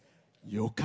「予感」。